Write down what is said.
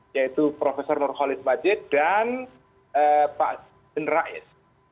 yaitu profesor nur khalid majid dan pak jendrais